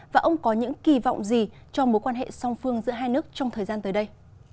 và ông có những kỳ vọng gì cho mối quan hệ song phương giữa hai nước trong thời gian tới đây